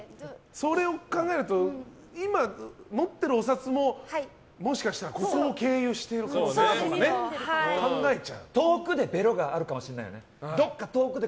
それを考えると今、持ってるお札ももしかしたらここを経由しているかもとか遠くでベロがあるかもしれないよね。